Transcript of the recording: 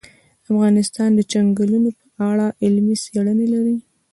افغانستان د چنګلونه په اړه علمي څېړنې لري.